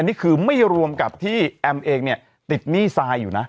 นี่คือไม่รวมกับที่แอมเองเนี่ยติดหนี้ทรายอยู่นะ